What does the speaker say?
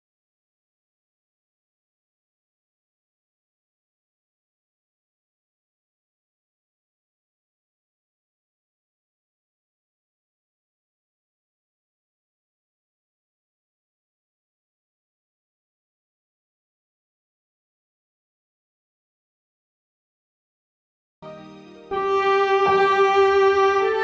วิชาโดยพลังนามวรรณทรีย์